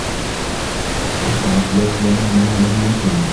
دفعت ليلى مالا لسامي.